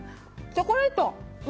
チョコレート！